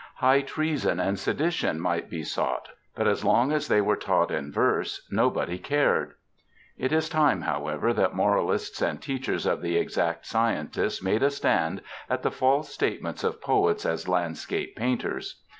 '" High treason and sedition might be sought, but asT long as they were taught in verse nobody cared. It is time, however, that moralists and teachers of the exact sciences made a stand at the false statements of poets as landscape painters.